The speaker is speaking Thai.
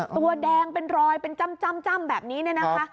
ตัวแดงเป็นรอยเป็นจ้ำแบบนี้เนี่ยนะคะ